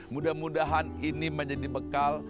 mudah mudahan ini menjadi bekal